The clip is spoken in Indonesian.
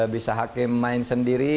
bisa hakim main sendiri